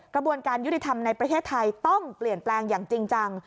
กระบวนการยุติธรรมในประเทศไทยต้องเปลี่ยนแปลงอย่างจริงจัง